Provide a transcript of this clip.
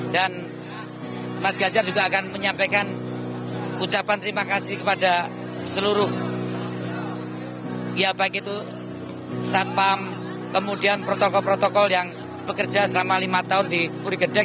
dan mas ganjar juga akan menyampaikan ucapan terima kasih kepada seluruh ya baik itu satpam kemudian protokol protokol yang bekerja selama lima tahun di puri gedek